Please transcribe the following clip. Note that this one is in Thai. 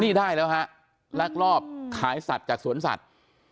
นี่ได้แล้วฮะลักลอบขายสัตว์จากสวนสัตว์